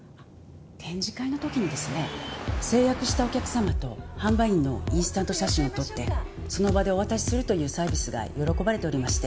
展示会の時にですね成約したお客様と販売員のインスタント写真を撮ってその場でお渡しするというサービスが喜ばれておりまして。